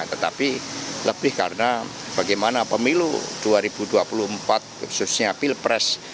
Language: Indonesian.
tetapi lebih karena bagaimana pemilu dua ribu dua puluh empat khususnya pilpres